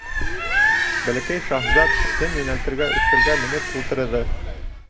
Бәләкәй шаһзат, тын йүнәлтергә өҫтәлгә менеп ултрыҙы.